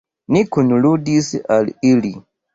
Ni kunludis al ili.